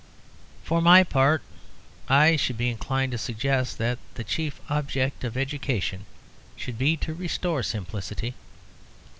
For my part, I should be inclined to suggest that the chief object of education should be to restore simplicity.